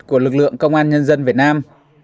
của lực lượng công an nhân dân việt nam